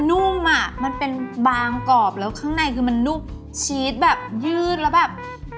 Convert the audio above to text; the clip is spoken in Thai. นุ่มอ่ะมันเป็นบางกรอบแล้วข้างในคือมันนุ่มชีสแบบยืดแล้วแบบ